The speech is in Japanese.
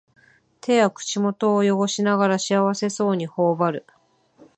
手や口元をよごしながらも幸せそうにほおばる